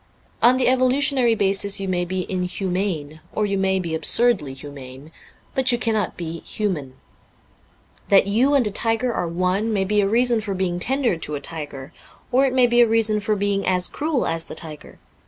On the evolutionary basis you may be inhumane, or you may be absurdly humane ; but you cannot be human. That you and a tiger are one may be a reason for being tender to a tiger. Or it may be a reason for being as cruel as the tiger.